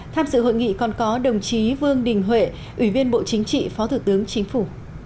tham dự hội nghị còn có đồng chí vương đình huệ ủy viên bộ chính trị phó thủ tướng chính phủ